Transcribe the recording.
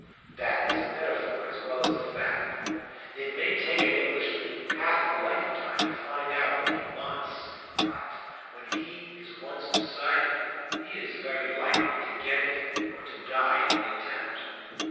That is a metaphor as well as a fact. It may take an Englishman half a lifetime to find out what he wants, but when he is once decided he is very likely to get it, or to die in the attempt.